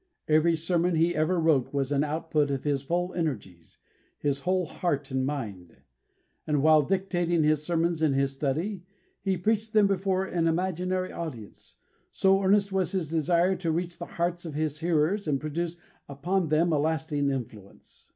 Every sermon he ever wrote was an output of his full energies, his whole heart and mind; and while dictating his sermons in his study, he preached them before an imaginary audience, so earnest was his desire to reach the hearts of his hearers and produce upon them a lasting influence.